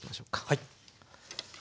はい。